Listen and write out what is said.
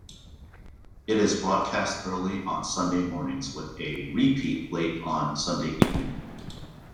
It is broadcast early on Sunday mornings with a repeat late on Sunday evening.